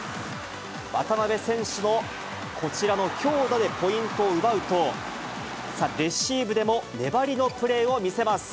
渡辺選手のこちらの強打でポイントを奪うと、さあ、レシーブでも粘りのプレーを見せます。